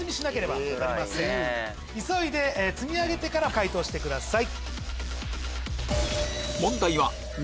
急いで積み上げてから解答してください。